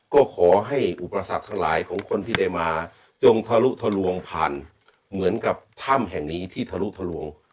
ก็ขอให้อุปสรรคสลายของคนที่ได้มาจงทะลุทะลวงผ่านเหมือนกับถ้ำแห่งนี้ที่ทะลุทะลวง